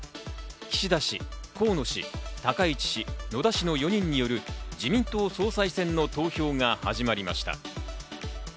岸田氏、河野氏、高市氏、野田氏の４人による自民党総裁選の投票が始まりました。